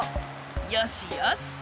よしよし。